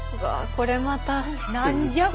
これまた。